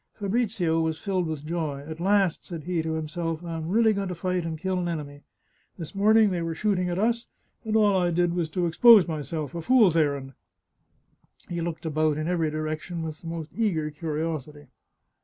Fabrizio was filled with joy. " At last," said he to him self, " I am really going to fight and kill an enemy ! This morning they were shooting at us, and all I did was to ex pose myself — a fool's errand !" He looked about in every direction with the most eager curiosity.